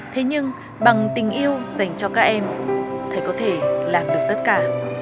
thế nhưng bằng tình yêu dành cho các em thầy có thể làm được tất cả